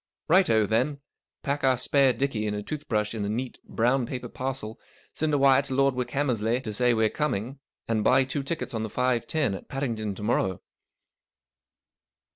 " Right o, then. Pack our spare dickey and a toothbrush in a neat brown paper parcel, send a wire to Lord Wickhammersley to say we're coming, and buy two tickets on the five ten at Paddington to morrow."